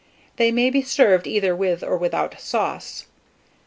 They may be served either with or without sauce.